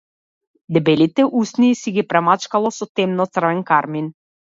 Дебелите усни си ги премачкала со темно-црвен кармин.